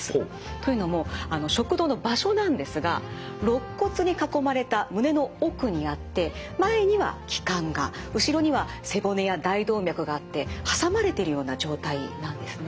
というのも食道の場所なんですがろっ骨に囲まれた胸の奥にあって前には気管が後ろには背骨や大動脈があって挟まれてるような状態なんですね。